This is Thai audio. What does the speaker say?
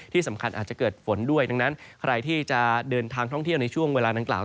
ที่สำคัญอาจจะเกิดฝนด้วยดังนั้นใครที่จะเดินทางท่องเที่ยวในช่วงเวลาดังกล่าว